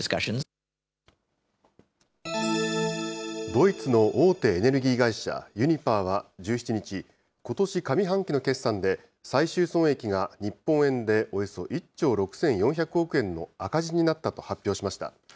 ドイツの大手エネルギー会社、ユニパーは１７日、ことし上半期の決算で、最終損益が日本円でおよそ１兆６４００億円の赤字になったと発表しました。